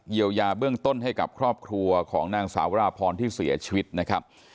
เยียวยาเบื้องต้นให้กับครอบครัวของนางสาวราพรที่เสียชีวิตนะครับ